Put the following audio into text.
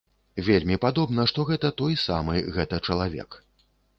Вельмі падобна, што гэта той самы гэта чалавек.